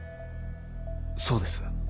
そうです。